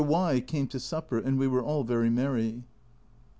Y came to supper and we were all very merry.